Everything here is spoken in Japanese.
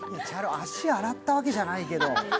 足洗ったわけじゃないけど。